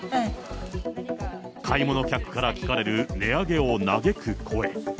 買い物客から聞かれる値上げを嘆く声。